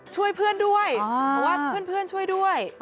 ช่วยเพื่อนด้วยบอกว่าเพื่อนช่วยด้วย